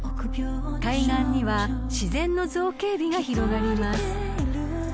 ［海岸には自然の造形美が広がります］